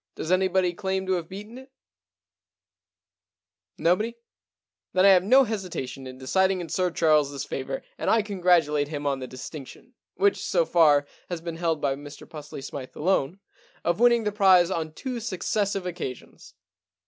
Does anybody claim to have beaten it ? No body ? Then I have no hesitation in deciding in Sir Charleses favour, and I congratulate him on the distinction — which, so far, has been held by Mr Pusely Smythe alone — of winning the prize on two successive occasions.